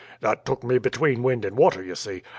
"That took me between wind and water, you see.